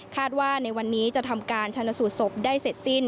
ว่าในวันนี้จะทำการชนสูตรศพได้เสร็จสิ้น